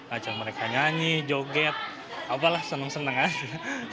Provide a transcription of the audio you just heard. ajang mereka nyanyi joget apalah senang senang aja